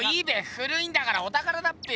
古いんだからおたからだっぺよ！